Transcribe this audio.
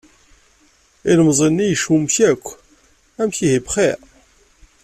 Ilemẓi-nni, yecmumek yakk: "Amek ihi bxir?".